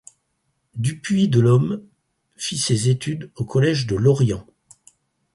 Dupuy de Lôme fit ses études au collège de Lorient.